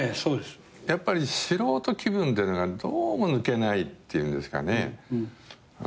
やっぱり素人気分っていうのがどうも抜けないっていうんですかね。